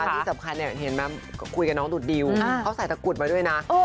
ที่สำคัญเห็นไหมคุยกับน้องดุดดิวเขาใส่ตะกุดมาด้วยนะ